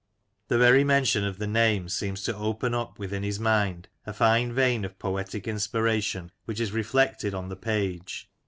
The very mention of the name seems to open up within his mind a fine vein of poetic inspiration which is reflected on the page.